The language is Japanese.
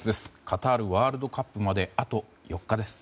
カタールワールドカップまであと４日です。